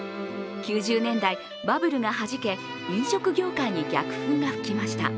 ９０年代、バブルがはじけ飲食業界に逆風が吹きました。